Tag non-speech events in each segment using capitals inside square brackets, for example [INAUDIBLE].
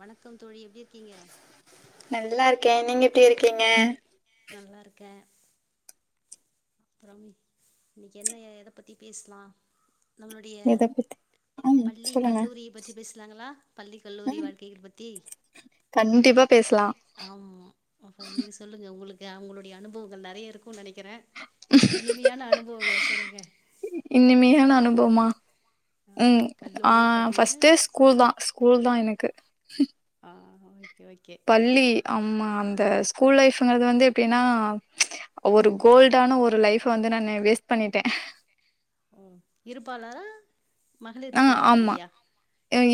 வணக்கம் தோழி எப்டி இருக்கீங்க நல்லா இருக்கேன், நீங்க எப்படி இருக்கீங்க? நல்லா இருக்கே அப்புறம் என்ன எத பத்தி பேசலாம் நம்மளுடைய எத பத்தி ம் பள்ளி, சொல்லுங்க கல்லூரி பற்றி பேசலாங்களா பள்ளி, கல்லூரி ம் வாழ்க்கை பத்தி கண்டிப்பா பேசலா ஆமா நீங்க சொல்லுங்க உங்களுக்கு அவங்களுடைய அனுபவங்கள் நிறைய இருக்குன் நினைக்கிறேன் இனிமையான அனுபவங்களை சொல்லுங்க, ஆ உம் ஆ கல்லூரி பள்ளியில ஃபர்ஸ்ட் ஸ்கூல் தான் ஸ்கூல் தான் எனக்கு ஆ ஓகே ஓகே பள்ளி அம்மா அந்த ஸ்கூல் லைஃபங்கிறது வந்து எப்படின்னா ஒரு கோல்டான ஒரு லைப் வந்து நான் வேஸ்ட் பண்ணிட்டேன் ஓ இருப்பாளா ஆ ஆமா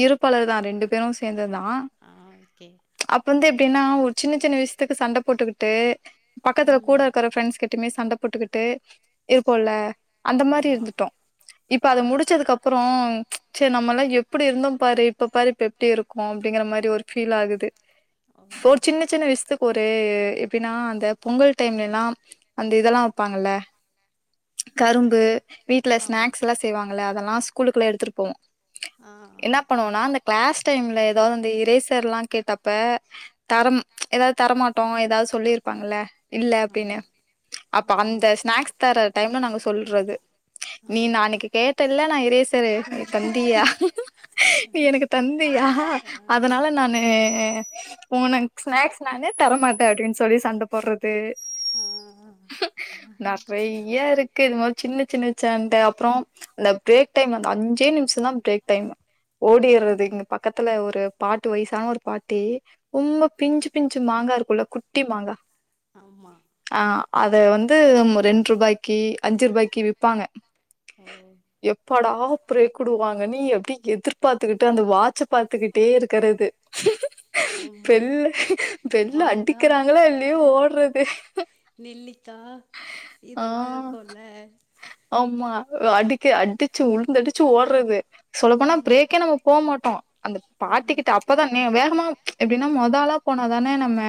இருப்பாளர் தான் இரு- ரெண்டு பேரும் சேர்ந்தது தான் ஆ ஓகே அப்ப வந்து எப்படின்னா ஒரு சின்ன சின்ன விஷயத் எதுக்கு சண்டை போட்டுக்கிட்டு பக்கத்துல கூட ம் இருக்கற பிரண்ட்ஸ் கிட்டமே சண்டை போட்டுக்கிட்டு இருப்போல அந்த மாதிரி ஆமா இருந்துடோம் இப்ப அது ஆ சரி முடிச்சதுக்குப்அப் சரி நம்மல்லாம் எப்படி இருந்தோ பாரு இப்ப பாரு இப்ப எப்படி இருக்கோம் அப்படிங்கிற மாதிரி ஒரு ஃபீல் ஆகுது ஓ ஒரு சின்ன சின்ன விசயத்துக்கு ஒரு எப்படின்னா அந்த பொங்கல் டைம்லலாம் அந்த இதெல்லாம் வப்பாங்கல்ல கரும்பு வீட்டுல ஆமா ஸ்நாக்ஸ்லாம் செய்வாங்கள அதெல்லாம் குலுக்களை எடுத்துட்டு போவோம் ஆ ஆ என்ன பண்ணுவோனா அந்த கிளாஸ் டைம்ல ஏதாவது அந்த இரேசர் எல்லாம் கேட்டப்ப தரம் ஏதாவது தரமாட்டோம் ஏதாவது சொல்லிருப்பாங்கள இல்ல அப்படின்னு ஆமா அப்ப அந்த ஆமா ஸ்நாக்ஸ் தர டைம்ல நாங்க ஸ்கூல் சொல்றது. நீ நா ஆமா அன்னைக்கு கேட்டல்ல நான் [UNINTELLIGIBLE] நீ குடுக்க தந்தியா நீ எனக்கு தந்தியா ஆ அதனால நான் நானு உனக் [UNINTELLIGIBLE] [UNINTELLIGIBLE] நானே தரமாட்டே அப்டின்னு சொல்லி சண்டை போடுறது ஆ நெறைய இருக் இது மாரி சின்ன சின்ன சண்ட அப்புறோ அந்த பிரேக் டைம் அந்த அஞ்சே நிமிசம் தா பிரேக் டைம் ம் ஓடிடுறது இங்க பக்கத்துல ஒரு பாட்டு வயசான ஒரு பாட்டி ரொம்ப பிஞ்சு பிஞ்சு மாங்கா இருக்குல்ல குட் குட்டிமாங்க ஆமா அத வந்து ரெண்டு ரூபாய்க்கு அஞ்சு ரூபாய்க்கு விப்பாங்க ஓ எப் எப்படா பிரேக் குடுவாங்கனு எப்டி எதிர்பார்த்துக்கிட்டு அந்த வாச்ச பாத்துக்கிட்டே ருக்குறது ஆமா பெல்ல பெல்ல மாங்கா அடிக்கிறாங்களா இல்லயோ ஓட்றது நெல்லிக்கா இதெல்லா ஆஹ் இருக்குல்ல ஆமா அடிக்க அடி உழுந்து அடிச்சு ஓடறது சொல்ல போனா ம் பிரேக்கே நம்ம போமாட்டோ அந்த ம் பாட்டிக்கிட்ட அப்பதா வேகமா எப்டின்னா மொதாளா போனாதானே நம்ம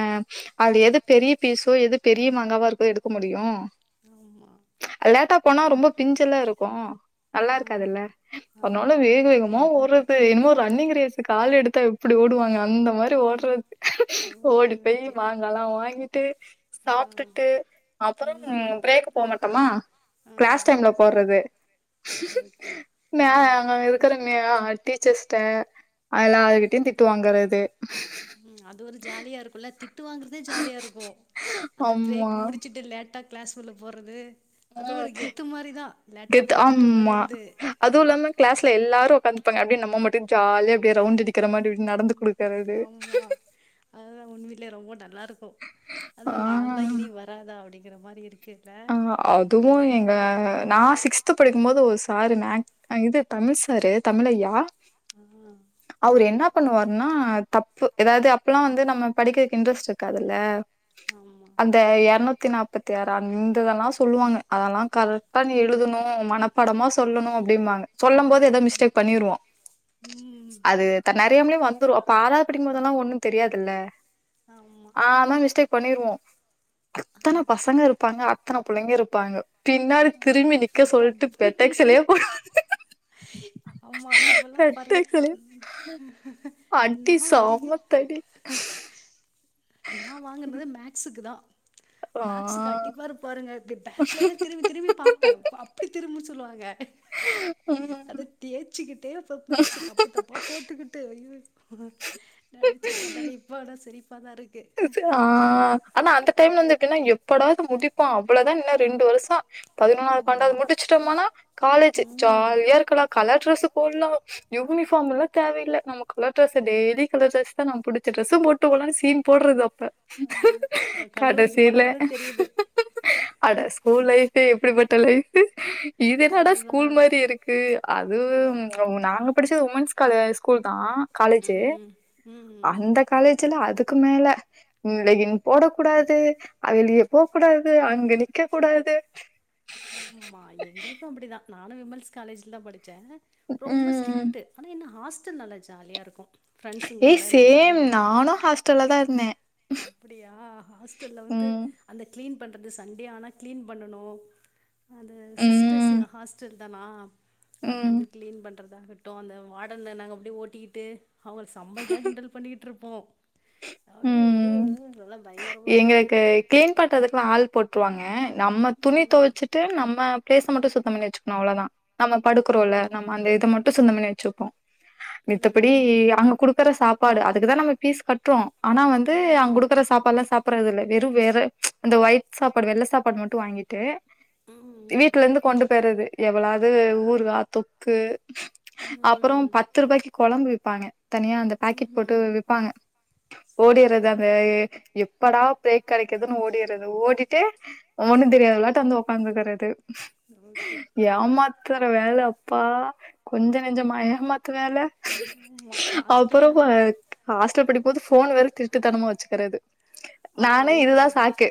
அது எது பெரிய பீஸோ எது பெரிய மங்காவா இருக்கோ எடுக்க முடியு ஆமா லேட்டா போனா ரொம்ப பிஞ்சல்லா இருக்கு ஆ நல்லா இருக்காதுல்ல அதுனால ஆமா வேக வேகமா ஓறது என்னமோ ரன்னிங் ரேஸுக்கு ஆள் எடுத்தா எப்டு ஓடுவாங்க அந்த ஆ மாதிரி ஓடறது ஓகே ஓடி போய் ஓகே மாங்கல்லா வாங்கிட்டு ஆ சாப்பிட்டுட்டு அப்புறம் ம் பிரேக் போக மாட்டோமா ஆ கிளாஸ் டைம்ல போடறது ஓகே ஆ மே அங்க இருக்கிறங்கா [UNINTELLIGIBLE] ஆஹ டீச்சர்ஸ்ட அல்லார்கிட்டயு திட்டு வாங்கறது உம் அது ஒரு ஜாலியா இருக்குல்ல தி ட்டு வாங்கறதே ஜாலியா இருக்கு அந்த ஆமா பிரேக் முடிச்சுட்டு லேட்டா கிளாஸ் உள்ள போறது உ அது ஒரு கெத்து மாரிதா லேட்டா கெத்து போய் திட்டு ஆமா வாங்குறது அதுவு இல்லாம கிளாஸ்ல எல்லாரு உட்காந்துருப்பாங்க அப்டியே நம்ம மட்டும் அப்டியே ஜாலியா அப்டியே ரவுண்டு அடி ம் ம் ஆமா அதுதா உண்மையிலயே ரொம்ப நல்லா இருக்கு ஆ அந்த நால்லா இனி வராதா அப்டின்னு க்ர மாரி இருக் ஆஹ் அதுவு எங்க நா சிக்ஸ்த் படிக்கு போது ஒரு சார் மேக் அ இது தமிழ் சார் தமிழய்யா ஆ அவரு என்ன என்ன பண்ணுவாருனா தப்பு எதாது அப்பெல்லா வந்து நம்ம படிக்கறக்கு இன்ட்ரெஸ்ட் இருக்காதுல்ல ஆமா அந்த எரநூத் த்தி நாப்பத்தி ஆற [UNINTELLIGIBLE] இதெல்லா சொல்லுவாங்க அதெல்லா கலட்டா நீ எழுதணு மனப்படமா சொல்லணு அப்டிம்பாங்க சொல்ல போது ஏதோ மிஸ்டேக் பண்ணிருவோ ம் அது தன் தெரியாமலே வந்துரு அப்ப ஆறாது படிக்கு போதுல்லா ஒன்னு தெரியாதுல்ல ஆமா ஆ ஆனா மிஸ்டேக் பண்ணிருவோ ஆ அத்தன பசங்கருப்பாங்க அத்தன புள்ளைங்கருப்பாங்க பின்னாடி திரும்பி நிக்க போட்டு சொல்ட்டு அடிப்ப பெட்டக்சிலே போடா ஆமா இப்பல்லா பரவா பெட்டக்சிலே அடி நா சாமத்தடி அதிக நா வாங்குனது மேக்ஸ்க்கு தா ஆ மேக்ஸ்க்கு அடிப்பாரு பாருங்க [UNINTELLIGIBLE] பேக்லே திரும்பி பாப்பே அப்டி திரும்ப சொல்லுவாங்க ம் அத தேச்சிக்கிட்டே மேக்ஸ் தப்பு தப்பா போட்டுக்கிட்டு அய்யோ நெனச்சு பாத்தாலே இப்ப சரி ஆ ஆனா அந்த டைம்ல வந்து [UNINTELLIGIBLE] எப்படா இது முடிப்போ அவ்ளதா இன்னு ரெண்டு வருஷோ பதினொன்னாவது ஆமா பண்ணடாவது முடிச்சட்டோம்னா காலேஜூ ம் ஜாலியா இருக்கலா கலர் ட்ரெஸு போட்லா யூனிபார்ம் எல்லா தேவயில்ல நம்ம கலர்ரெஸ் டெய்லி கலர் ட்ரெஸ் தா நம் புடிச்ச டிரெஸ் போட்டு போலானு சி போட்றது அப் ப ஆமா அப்றோ கல்லூரிக்கு போன கடைசில பிறகு தெரியுது அட ஸ்கூல் லைஃப் ஏ எப்டிப்பட்ட லைஃபு இது என்னடா அதுதா ஸ்கூல் மாரி இருக்கு அது ஆமா நாங்க படிச்ச உமென்ஸ் கா ஸ்கூல் தா காலேஜு ம் ம் ம் அந்த காலேஜூல அதுக்கு மேல லெகின் போட கூடாது [UNINTELLIGIBLE] போ கூடாது அங்க நிக்க கூடாது ஆமா எங்ளுக்கு அப்டிதா நானு உமென்ஸ் காலேஜ்ல தா படி ச்சே ரொம்ப ம். ஸ்ட்ரிக்ட்டு ஆனா என்ன ஹாஸ்ட் [UNINTELLIGIBLE] நல்லா ஜாலியாருக்கு ஏ சேம் நானு ஹாஸ்டல்ல தாருந்தே அப்டியா ஹாஸ்டல்ல வந்து அந்த க்ளீன் பண்றது சண்டே ஆனா க்ளீன் பண்ணனு அது ம். சிஸ்டர்ஸுங்க ஹாஸ்டல் தனா ம். அந்து க்ளீன் பண் றதாகட்டு அந்த வாடன நாங்க அப்டியே ஓட்டிக்கிட்டு அவள் செமையா கிண்டல் பண்ணிட்ருப் போ ஆடியோ ம். [UNINTELLIGIBLE] எங்களுக்கு க்ளீன் பண்றதுக்குல்லா ஆள் போட் டுவாங்க நம்ம துணி ம் தொவச்சிட்டு நம்ம பிளேஸ மட்டு சுத்தம் பண்ணி வச்சிக்கணு அவ்ளோதா நம்ம படுக்குறோல்ல ஓ நம்ம அந்த இத மட்டு சுத்தம் பண்ணி ச்சிருப்போ மித்தப்படி ம் அங்க குடுக்குற சாப் ப்பாடு அதுக்குதா நம்ம பீஸ் கட்றோ ஆனா வந்து அங் ம் குடுக்குற சாப்பாட்லா சாப்புட்றதில்ல வெறு வேற அந்த ஒயிட் சாப்பாடு வெள்ள சாப்பாடு மட்டு வாங்கிட்டு ம் ம் வீட்ல இருந்து கொண்டு போய்றது எவளாது ஊருகா தொக்கு அப்பறோ ம் பத்து ரூபாய்க்கு கொழம்பு விப்பாங்க தனியா அந்த ம் பாக்கெட் போட்டு ம் விப்பாங்க சரி ஓடிர்றது அந்த சரி ப்படா ப்ரேக் கெடைக்கிதுன்னு ஓடிர்றது ஓடிட்டே ஒண்ணு ம் தெரியாதவளாட்டு வந்து உஒக்காந்துக்குறது ஓகே ஏம்மா எத்தன வேலை அப்பா கொஞ்ச நஞ்சமா ஏமாத்து வேல ஆமா ஹாஸ்டல்ல அப்பறமா ஹாஸ்டல் படி போது ஃபோன் வேற திருட்டுத்தனமா வச்சுக்கறது ஆ நானே இதுதா எங்களுக்கு அப்டிதா சாக்கு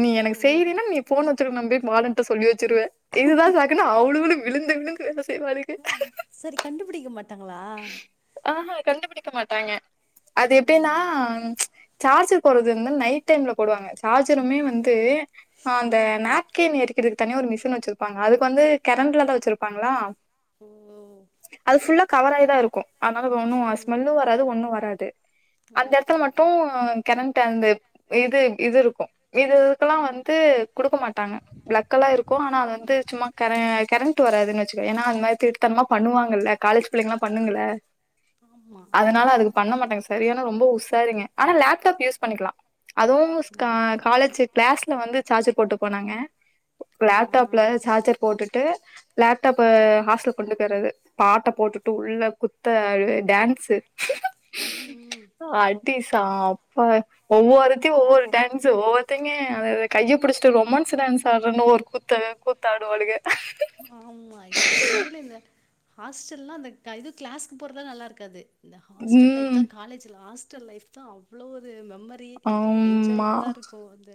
நீ ஆ எனக்கு ஆ செய்லீன்னா நீ ஃபோன் வச்சிருக்க [UNINTELLIGIBLE] வாடன் ட சொல்லி வச்சிருவே இதுதா சாக்குனு அவ்ளுகளையு விழுந்து விழுந்து வேல அ சரி கண்டுப்புடிக்க மாட்டா ங்ளா ஆஹஹா கண்டுபிடிக்க மாட்டாங்க அது எப்டின்னா ம் சார்ஜர் போட்றது வந்து நைட் டைம்ல போடுவாங்க சார்ஜருமே வந்து அந்த ம் நாப்கின் எரிக்கிறது தனியா ஒரு மிஷின் வெச்சுருப்பாங்க அதுக்கு வந்து கெரண்ட்ல தா வெச்சிருப்பாங்களா ஓ அது ஃபுல்லா கவராய் தா இருக்கு அதனால ஒன்னு ம் ஸ்மெல்லு வராது ஒன்னு வராது அந்த ஓகே எடத்துல மட்டு ஓகே கெரன்ட் அந்த இது இது இருக்கு இது இதுகெல்லா வந்து குடுக்க மாட்டாங்க பிளக்கு எல்லா இருக்கு‌ ஆனா அது வந்து சும்மா கெரண்ட் வராதுன்னு வெச்சுக்க ஏன்னா அது மாரி திருட்டுதனமா பண்ணுவாங்கல்ல காலேஜ் பிள்ளிங்களா பண்ணுங்கள ஆமா அதனால அதுக் பண்ணமாடாங்க செரியான உ சேரிங்க ஆன லேப்டாப் யூஸ் பண்ணிக்கலா அதுவு ஓகே காலேச்சு கிளாஸ்ல வந்து சார்ஜ் போடுகுவோ நாங்க ஆ ஆ லேப்டாப்ல சார்ஜர் போட்டுட்டு லேப்டாப்ப ஹாஸ்டல் கொண்டு போயிறது பாட்ட போட்டு உள்ள குத்து டான்சு ம் ம் சப்ப ஒவ்வொருத்தி ஒவ்வொரு டான்சு ஒவ்வொருத்தங்க அத கைய புடிச்சிட்டு ரொமான்சு டான்ஸ் ஆடுறன்னு கூ கூத்து ஆடுவாளுக ஹாஸ்டல்லா அந்த இது கிளாஸ்சுக்கு போறதுதா நல்லா இருக்காது இந்த ஹாஸ்டல் லைப் ம் தா காலேஜ் லைப் தா அவ்ளோ அது மெம மெமரி ஆமா என்ஜாயெல்லா இருக்கு அந்த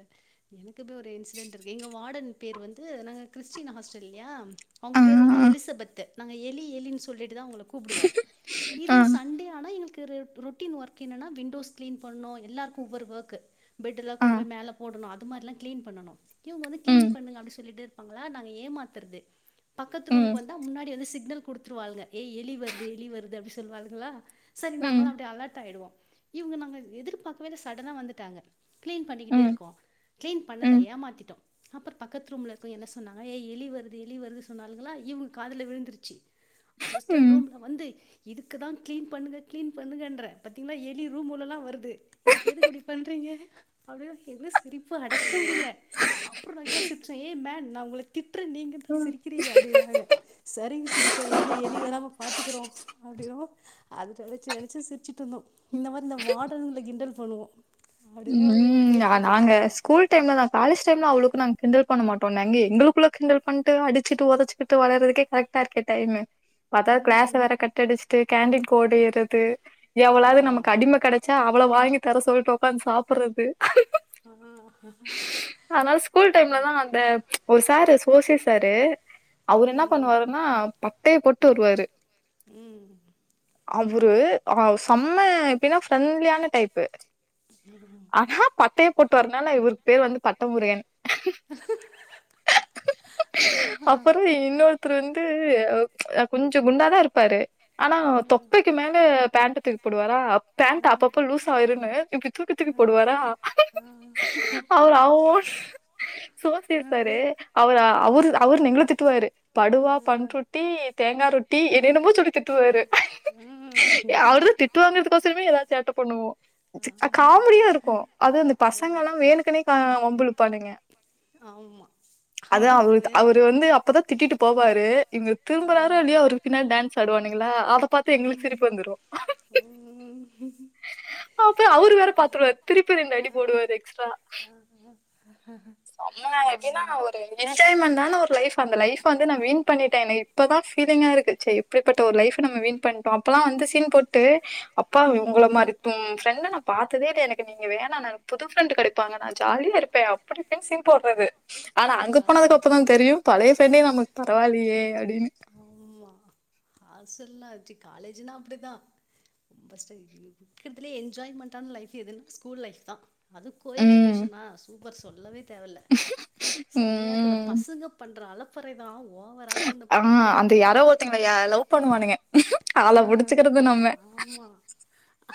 எனக்குமே ஒரு இன்சிடெட்ன் இருக்கு எங்க வாடன் பேர் வந்து நாங்க கிறிஸ்டீன் ஹாஸ்டல் இல்லயா அவங்க ஆ பேரு வந்து எலிசபெத்து நாங்க எலி எலின்னு சொல்லிட்டு தா அவங்க கூப்புடுவோ இது ஆ சண்டே ஆனா எங்களுக்கு ரொட்டீன் ஒர்க் என்னன்னா விண்டோஸ் கிளீன் பண்ணணு எல்லாருக்கு ஒவ்வொரு ஒர்க்கு பெட்டுல்லா ஆ கொண்டு போய் மேல போடணு அது மாரிலாம் கிளீன் பண்ணனு இவங்க வந்து கிளீன் ம் பண்ணுங்க அப்டின்னு சொல்லிட்டு பாங்களா நாங்க ஏமாத்த த்துறது பக்கத்து ம் ரூமுக்கு வந்தா முன்னாடி வந்து சிக்னல் குடுத்துருவாளுங்க ஏ எலி வருது எலி வருது அப்படின்னு சொல்லுவாளுங்களா சரி ம் நாங்கள அப்ப அலர்ட் ஆயிடுவோ இவுங்க நாங்க எதிர்பார்க்கவே சடனா வந்துட்டாங்க கிளீன் பண்ணிக்கிட்டே ம் இருக்கோ கிளீன் பண்ணல ம் ஏமாத்திட்டோ அப்புறம் பக்கத்து ரூமுல இருக்கவுங்க என்ன சொன்னாங்க ஏ எலி வருது எலி வருது சொன்னாளுங்களா இவுங்க காதல விழுந்துருச்சு சிஸ்டர் ரூம்ல வந்து இதுக்குதா கிளீன் பண்ணுங்க கிளீன் பண்ணுங்கன்றே பத்தீங்கனா எலி ரூம் உள்ளலா வருது இதுக்கு எதுக்கு இப்டி பண்றீங்க அப்படின் என்ன சொ சிரிப்ப அடக்க முடில அப்புறோ நாங்கலா சிரிச்சோ ஏ மேன் நா உங்கள திட்ற டீ சிரிக்கிறீங்க ம் அப்படிதாங்க சரிங்க சிஸ்டர் இனிமே ஏ எலி வராம பாத்துக்கறோ அப்டின்னோ அது நெனச்சு நெனச்சு சிரிச்சுட்டு இருந்தோ இந்த மாதிரி இந்த வாடன்கல கிண்டல் பண்ணுவோ ம் நாங்க ஸ்கூல் டைம்லதா காலேஜ் அந்த டைம்லா அவ்ளோக்கு நாங்க கிண்டல் பண்ண மாட்டோ நாங்க எங்களுக்குள்ள கிண்டல் பண்ட்டு அடிச்சுட்டு ஒதச்சுகிட்டு வெளாட்றதுக்கே கரெக்டா இருக்கே டைமு பாத்தா ம் கிளாஸ் ம் வேற கட்டடிச்சுட்டு கேண்டின் கோடையறது எவளாது ஆமா நமக்கு அடிம கெடச்சா அவள வாங்கி தர சொல்ட்டோ ஒக்காந்து சாப்பிடறது ஆ அதனால ஸ்கூல் டைம்ல தா அந்த ஒரு சாரு ஓசி சாரு அவர் என்ன ம் பண்ணுவாருன்னா ப பட்டய போட்டு வருவாரு ம் அவரு சம்ம எப்படீன்னா ஃப்ரெண்ட்லியான டைப்பு ஆனா பட்டயப் போட்டு வரனாலா இவுருக்கு பேரு வந்து பட்டமுருகன் அப்புறோ இன்னொருத்தரு வந் வந்து கொஞ்சோ குண்டா தா இருப்பாரு ஆனா தொப்பைக்கு மேல பேண்ட தூக் கூப்புடுவாரா அப் பேண்ட் அப்பப்ப லூஸ் ஆயிரோன்னு இப்டி தூக்கி தூக்கி போடுவாரா அவரு அவ்வோ சோசியல் சாரு அவர் அவரு அவரு எங்கள ம் திட்டுவாரு படுவா ஆஹ் பண்ருட்டி தேங்கா ரொட் டி என்னென்னமோ சொல்லி திட்டுவாரு உம் அவரு தா திட்டுவாங்றதுக்கோசரமே ஏதாவது சேட்ட பண்ணுவோ காமெடியா இருக்கு அது அந்த ஓ பசங்க லா வேனுக்குனே கா வம்பிழுப்பானுங்க ஆமா அத அவனுக்கு அவரு வேண் அவரு வந்து அப்பதா திட்டி ட்டு போவாரு இங்க திரும்பறாரோ ஆஹ் இல்லையே அவருக்கு பின்னடி டான்ஸ் ஆடுவானுங் ங்களா அத பாத்து எங்களுக்கு சிரிப்பு வந்துரு உம் அப்பகே அவரு வேற பாத்துருவாரு திருப்பி ரெண்டு அடி போடுவாரு எக்ஸ்ட்ரா ஆஹ் செம எப்டின்னா ஆமா ஒரு என்ஜாய்மெண்ட்டான ஒரு லைஃப் அந்த லைப் வந்து நா வீன் பண்னிட்டே எனக்கு இப்பதா ஃபீலிங்கா இருக்கு ச்சை இப்டிப்பட்ட ஒரு லைஃப் நம்ம வீன் பண்ணிட்டோ அப்பல்லா அந்த சீன் போட்டு அப்பா இவங்கள உம் மாறித் தும் ஃப்ரெண்ட நா பாத்ததே இல்ல எனக்கு நீங்க வேணா புது ஃப்ரெண்டு கெடைப்பாங்க நா ஜாலியா இருப்பே அப்டிஇப்டினு சீன் போட்றது ஆனா அங்க ஆஹ் போனதுக்கப்பறந்தா தெரியு பழைய ஃப்ரென்டே நம் நமக் பரவாயில்லீயே அப்டின்னு ம் ஹாஸ்டல்லா ஆச்சு காலேஜ்னா அப்டிதா ரொம்ப கஷ்ட இருக்கிறதுலே என்ஜாய்மெண்டான லைஃப் எதுன்னு ஸ்கூல் லைஃப் தா அது கோ உம் எஜிகேஷனா சூப் ப்ப சொல்லவே தேவல செமையா இருக்கு இந்த ம். பசங்க பண்ற அளப் ஃப்ரீதாவ் ஓவரா இருக்கு இந்தப் ஆ அந்த யாரொ ஒருத்தங்களா லவ் பண்ணுவானுங்க ஆள ஆஹ் புடிச்சுக்கறது நம்ம ஆமா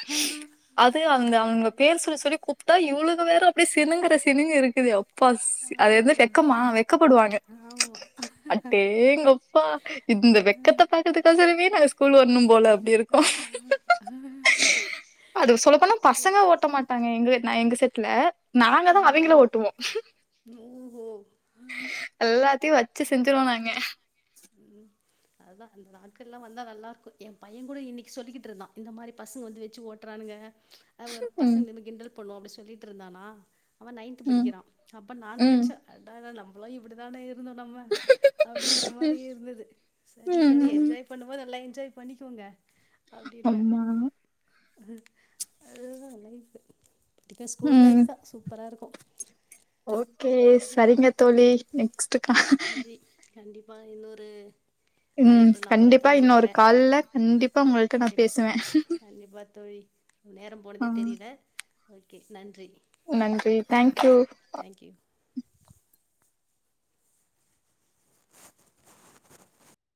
ஆஹ் அது அந்த அவங்க பேர் சொல்லி சொல்லி கூப்டா இவுளுங்க வேற அப்டே சினுங்கற சினிங்கு இருக்குதே அப் பஸ் ஆ அது வந்து வெக்கமா வெக்கப்படுவாங்க ஆமா அட்டேங்கப்பா இந்த வெக்கத்த பாக்கறதுக்கோசரமே நாங்க ஸ்கூ கூலுவர்ணும் போல அப்டி இருக்கு அது சொல்ல போனா பசங்க ஓட்ட மாட்டாங்க எங்க நா எங்க செட் ட்ல நாங்க தா அவிங்கள ம் ஓட்டுவோ ஓஹோ எல்லா டி வச்சு செஞ்சிருவோ நாங்க அதா அந்த நாட்கள்லா வந்தா நல்லா இருக்கு என் பையன் கூட இன்னிக்கி சொல்லிகிட்ருந்தா இந்த மாரி பசுவ்வ வந்து வெச்சு ஓட்றானுங்க அது ஒரு ம், பசங்கலேருந்து கிண்டல் பண்ணுவோ அப்டின் சொல்லிட்ருந்தானா அவ நைன்து ம், படிக்கிறா அப்ப நா ம், நெனைச்சே அடாடா நம் அப்பலா இப்டிதான இர் இருந்தோ நம்ம அப்டிங்கற ம், மாரி இருந்தது சரி சரி ம், ம். என்ஜாய் பண்ணும்போது நல்லா என்ஜாய் பண்ணிக்கோங்க அப்டின்னே அம்மா அதுதா லைஃபு ம் ஓகே சரிங்க தோழி நெக்ஸ்ட் கா செரி கண்டிப்பா இன்னொரு ம் அழைப்புல நா உங்கள கண்டிப்பா இன்னொரு சந்திக்கிறே கால்ல கண்டிப்பா உங்கள்ட நா கண்டிப்பா பேசுவே கண்டிப்பா தோழி நேரம் போனதே ம் தெரியல ஓகே நன்றி நன்றி தேங்க்யூ தேங்க் யூ